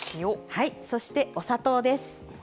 はいそしてお砂糖です。